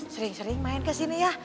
sering sering main kesini ya